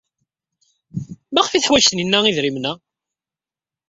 Maɣef ay teḥwaj Taninna idrimen-a?